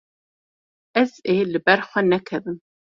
Ez ê li ber xwe nekevim.